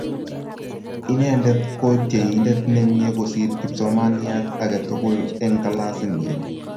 Inendet ko tyenindet ne mie kosir kipsomaniat age tugul eng klasinyi.